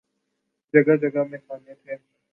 جگہ جگہ میخانے تھے۔